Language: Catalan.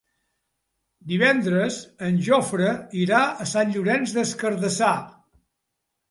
Divendres en Jofre irà a Sant Llorenç des Cardassar.